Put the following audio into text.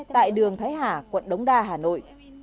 tại đường thái hà quận đống đa hà nội